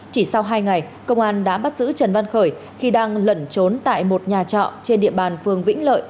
chỉ sau hai ngày công an đã bắt giữ trần văn khởi khi đang lẩn trốn tại một nhà trọ trên địa bàn phường vĩnh lợi